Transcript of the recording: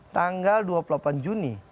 tanggal dua puluh delapan juni